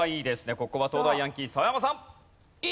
ここは東大ヤンキー澤山さん。